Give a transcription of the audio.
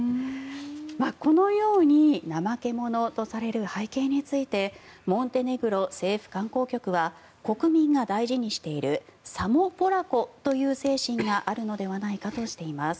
このように怠け者とされる背景についてモンテネグロ政府観光局は国民が大事にしているサモ・ポラコという精神があるのではないかとしています。